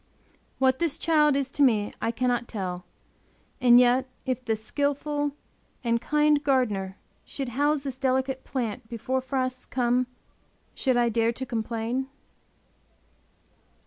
What this child is to me I cannot tell. And yet, if the skillful and kind Gardener should house this delicate plant before frosts come, should I dare to complain?